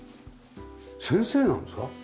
先生なんですか？